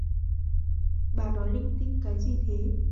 Bà nói linh tinh cái gì thế